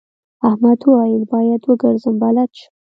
احمد وويل: باید وګرځم بلد شم.